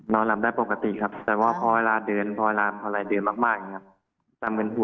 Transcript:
นอนหลับได้ปกติครับแต่ว่าพอเวลาเดือนพอเวลาเท่าไหร่เดือนมากจะมืนหัว